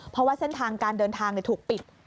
เพราะว่าเส้นทางการเดินทางถูกปิด